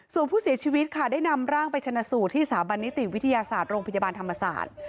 ส่วนผู้เสียชีวิตค่ะได้นำร่างไปชนะสูตรที่สถาบันนิติวิทยาศาสตร์โรงพยาบาลธรรมศาสตร์